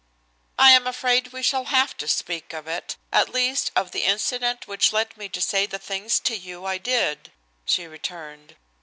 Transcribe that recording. "I am afraid we shall have to speak of it, at least of the incident which led me to say the things to you I did," she returned.